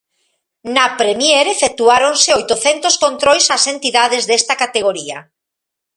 Na Prémier efectuáronse oitocentos controis ás entidades desta categoría.